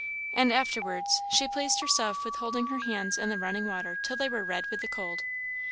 And afterwards she pleased herself with holding her hands in the running water till they were red with the cold.